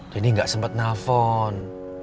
jadi gak sempet nelfon